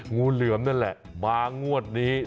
งูเหลือมนั่นแหละมางวดนี้